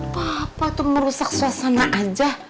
papa itu merusak suasana aja